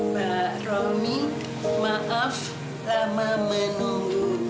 mbak romi maaf lama menunggu